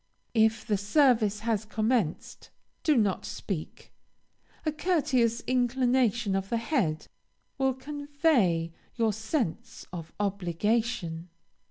If the service has commenced, do not speak; a courteous inclination of the head will convey your sense of obligation.